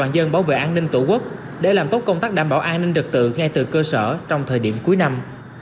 dân bảo vệ an ninh tổ quốc để làm tốt công tác đảm bảo an ninh trật tự ngay từ cơ sở trong thời điểm cuối năm